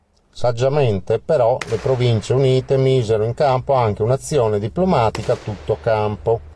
Saggiamente, però, le Province Unite misero in campo anche un'azione diplomatica a tutto campo.